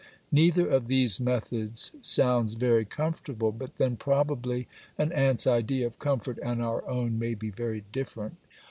Neither of these methods sounds very comfortable, but then probably an ant's idea of comfort and our own may be very different.